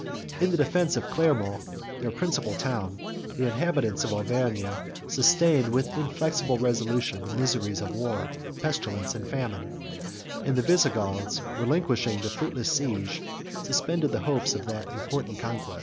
93 In the defence of Clermont, their principal town, the inhabitants of Auvergne sustained, with inflexible resolution, the miseries of war, pestilence, and famine; and the Visigoths, relinquishing the fruitless siege, suspended the hopes of that important conquest.